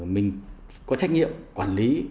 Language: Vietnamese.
mình có trách nhiệm quản lý